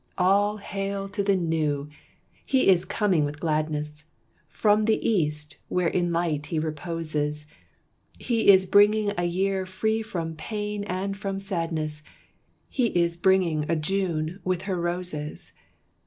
All hail to the New! He is coming with gladness, From the East, where in light he reposes; He is bringing a year free from pain and from sadness, He is bringing a June with her roses.